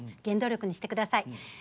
原動力にしてください。